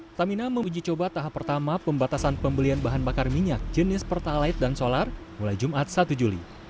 pertamina menguji coba tahap pertama pembatasan pembelian bahan bakar minyak jenis pertalite dan solar mulai jumat satu juli